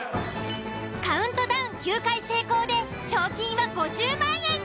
カウントダウン９回成功で賞金は５０万円に。